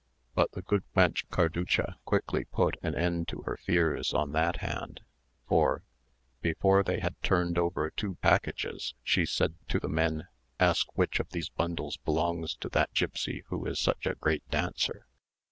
But the good wench Carducha quickly put an end to her fears on that head, for before they had turned over two packages, she said to the men, "Ask which of these bundles belongs to that gipsy who is such a great dancer.